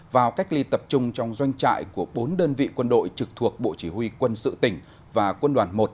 vào cách ly tập trung trong doanh trại của bốn đơn vị quân đội trực thuộc bộ chỉ huy quân sự tỉnh và quân đoàn một